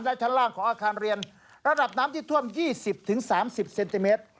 และชั้นล่างของอาคารเรียนระดับน้ำที่ท่วม๒๐๓๐เซนติเมตร